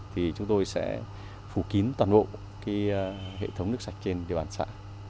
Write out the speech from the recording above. thì chúng tôi sẽ phủ kín toàn bộ cái hệ thống nước sạch trên dự án xã